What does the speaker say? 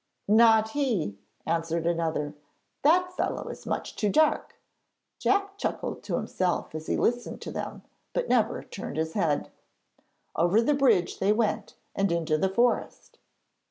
'Not he,' answered another; 'that fellow is much too dark.' Jack chuckled to himself as he listened to them, but never turned his head. Over the bridge they went and into the forest.